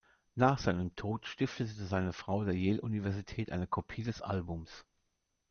Nach seinem Tod stiftete seine Frau der Yale Universität eine Kopie des Albums.